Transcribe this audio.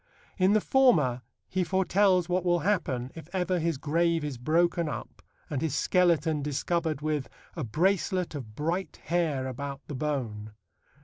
In the former he foretells what will happen if ever his grave is broken up and his skeleton discovered with A bracelet of bright hair about the bone.